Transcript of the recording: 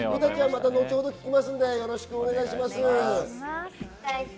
後ほど、聞きますのでよろしくお願いします。